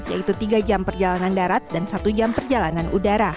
yaitu tiga jam perjalanan darat dan satu jam perjalanan udara